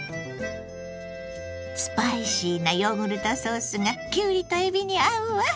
スパイシーなヨーグルトソースがきゅうりとえびに合うわ。